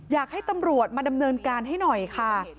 อยากให้ตำรวจมาดำเนินการให้หน่อยค่ะ